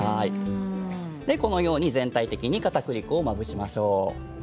このように全体的にかたくり粉をまぶしましょう。